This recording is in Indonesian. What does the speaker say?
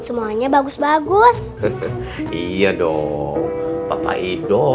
semuanya bagus s todo